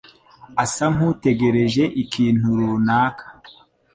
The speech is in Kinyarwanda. asa nkutegereje ikintu runaka.